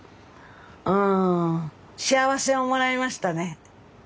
うん幸せをもらいましたね